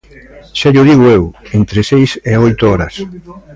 Xa llo digo eu: entre seis e oito horas.